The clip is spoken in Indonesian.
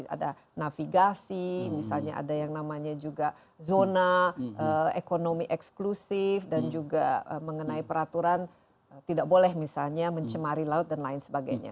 ada navigasi misalnya ada yang namanya juga zona ekonomi eksklusif dan juga mengenai peraturan tidak boleh misalnya mencemari laut dan lain sebagainya